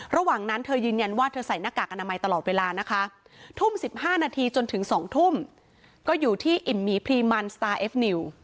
ระหว่างนั้นเธอยืนยันว่าเธอใส่หน้ากากอนามัยตลอดเวลานะคะทุ่ม๑๕นาทีจนถึง๒ทุ่มก็อยู่ที่อิ่มหมีพรีมันสตาร์เอฟนิว